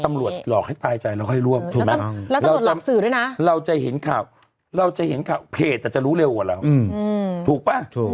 ตำรวจหลอกให้ตายใจแล้วก็ให้ร่วมถูกไหมเราจะเห็นข่าวเพจจะรู้เร็วกว่าเราถูกปะ